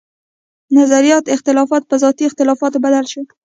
نظرياتي اختلافات پۀ ذاتي اختلافاتو بدل شو